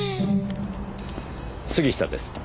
杉下です。